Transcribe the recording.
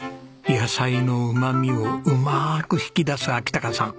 野菜のうまみをうまく引き出す章隆さん。